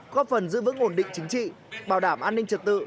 góp phần giữ vững ổn định chính trị bảo đảm an ninh trật tự